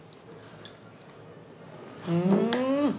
うん。